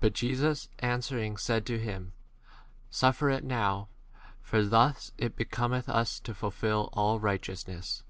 But Jesus answering said to him, Suffer [it] now ; for thus it becometh us to fulfil all righteousness.